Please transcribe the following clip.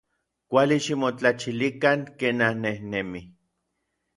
Kuali ximotlachilikan ken annejnemij.